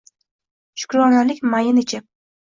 Shukronalik mayin ichib